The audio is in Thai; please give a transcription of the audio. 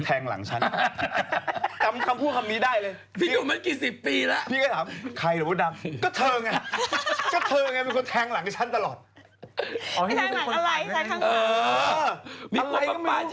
แต่ตอนนั้นพี่ไปแล้วพี่เป็นกฎไหลย้อนพี่แจ้งใจด้วย